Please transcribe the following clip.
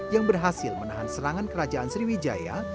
yang berhasil menahan serangan kerajaan sriwijaya